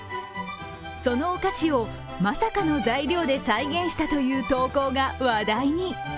そのお菓子を、まさかの材料で再現したという投稿が話題に。